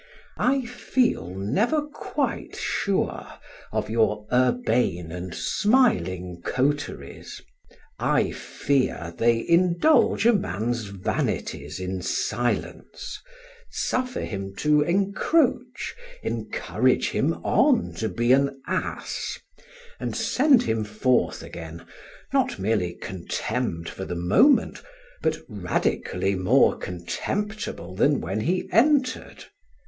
I feel never quite sure of your urbane and smiling coteries; I fear they indulge a man's vanities in silence, suffer him to encroach, encourage him on to be an ass, and send him forth again, not merely contemned for the moment, but radically more contemptible than when he entered.